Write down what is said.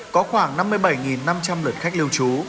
có khoảng năm mươi bảy năm trăm linh lượt khách lưu trú